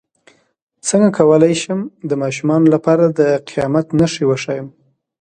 څنګه کولی شم د ماشومانو لپاره د قیامت نښې وښایم